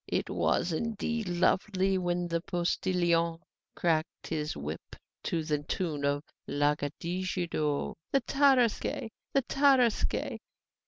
It was indeed lovely when the postillion cracked his whip to the tune of 'Lagadigadeou, the Tarasque! the Tarasque!